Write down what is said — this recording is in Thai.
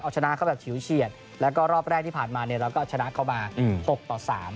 เอาชนะเขาแบบฉิวเฉียดแล้วก็รอบแรกที่ผ่านมาเนี่ยเราก็ชนะเข้ามา๖ต่อ๓